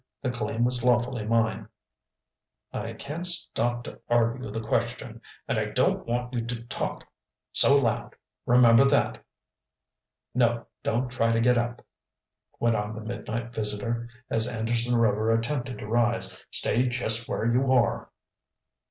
The claim was lawfully mine." "I can't stop to argue the question, and I don't want you to talk so loud, remember that. No, don't try to get up," went on the midnight visitor, as Anderson Rover attempted to rise. "Stay just where you are."